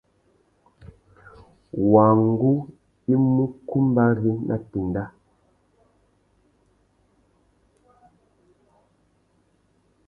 Wăngú i mú kumbari nà téndá.